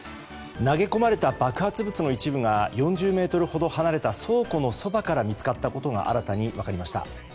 投げ込まれた爆発物の一部が４０ｍほど離れた倉庫のそばから見つかったことが新たに分かりました。